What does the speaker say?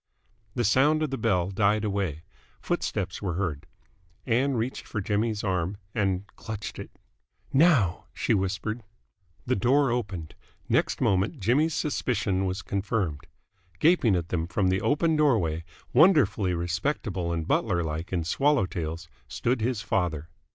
The sound of the bell died away. Footsteps were heard. Ann reached for Jimmy's arm and clutched it. "Now!" she whispered. The door opened. Next moment Jimmy's suspicion was confirmed. Gaping at them from the open doorway, wonderfully respectable and butlerlike in swallow tails, stood his father.